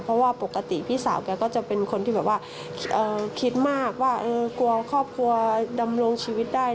เพราะว่าปกติพี่สาวแกก็จะเป็นคนที่แบบว่าคิดมากว่ากลัวครอบครัวดำรงชีวิตได้